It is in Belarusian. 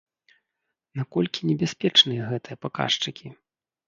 Наколькі небяспечныя гэтыя паказчыкі?